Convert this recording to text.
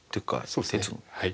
そうですねはい。